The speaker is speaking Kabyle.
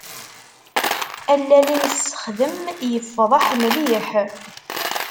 Allal i nessexdem yefḍeḥ mliḥ.